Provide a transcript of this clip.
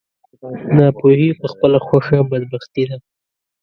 ناپوهي په خپله خوښه بدبختي ده.